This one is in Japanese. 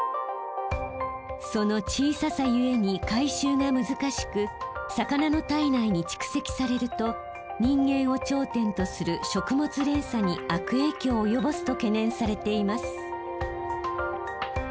その小ささゆえに回収が難しく魚の体内に蓄積されると人間を頂点とする食物連鎖に悪影響を及ぼすと懸念されています。